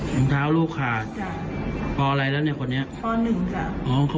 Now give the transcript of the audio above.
ของเท้าลูกขาดจ้ะพออะไรแล้วเนี้ยคนนี้พอหนึ่งจ้ะ